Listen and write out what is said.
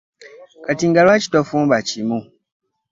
Kati nga lwaki tofumba kimu?